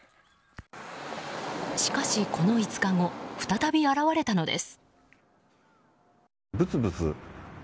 しかし、この５日後再び現れたのです。